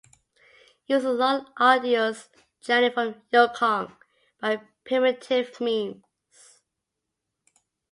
It was a long and arduous journey from Yeungkong by primitive means.